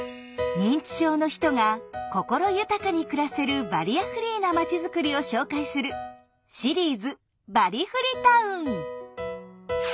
認知症の人が心豊かに暮らせるバリアフリーな町づくりを紹介するシリーズ「バリフリ・タウン」。